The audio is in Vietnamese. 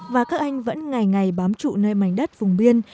và các anh vẫn ngày ngày bám trụ nơi mảnh đất vùng biên